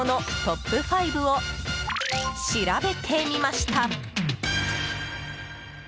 トップ５を調べてみました。